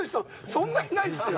そんないないっすよ。